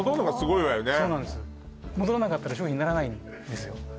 戻らなかったら商品にならないんですよ